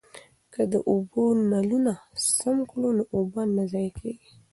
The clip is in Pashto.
که د اوبو نلونه سم کړو نو اوبه نه ضایع کیږي.